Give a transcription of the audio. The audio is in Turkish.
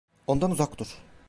Ondan uzak dur.